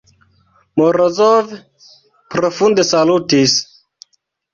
Morozov profunde salutis.